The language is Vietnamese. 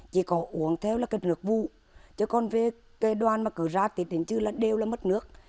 chỉ có uống theo là cái nước vụ chứ còn về cái đoàn mà cử ra thì đến chứ là đều là mất nước